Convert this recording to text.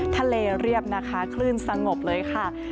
เรียบนะคะคลื่นสงบเลยค่ะ